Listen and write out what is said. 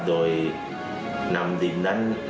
โดยนำดินนั้น